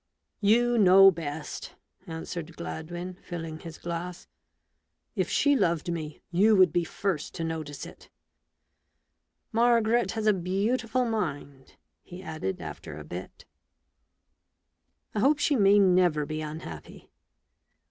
" You know best," answered Gladwin, filling his glass. " If she loved me, you would be Brst to notice it. Margaret has a beautiful mind," he added after a bit, " I hope she may never be unhappy."